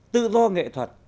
tự do nghệ thuật